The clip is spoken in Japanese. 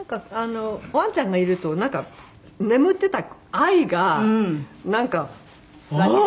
ワンちゃんがいるとなんか眠ってた愛がなんかおおー！